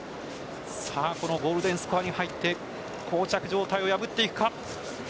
ゴールデンスコアに入って膠着状態を破っていくか。